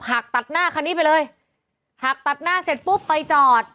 หักตัดหน้าคันนี้ไปเลยหักตัดหน้าเสร็จปุ๊บไปจอด